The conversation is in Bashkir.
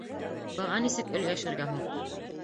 Быға нисек өлгәшергә һуң?